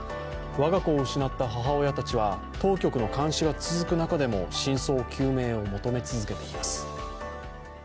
我が子を失った母親たちは当局の監視が続く中でも真相究明を求め続けています。